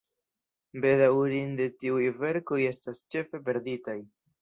Bedaŭrinde tiuj verkoj estas ĉefe perditaj.